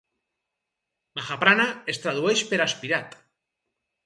"Mahaprana" es tradueix per "aspirat".